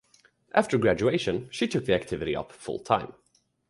After graduation, she took the activity up full-time.